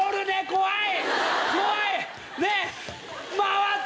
怖い！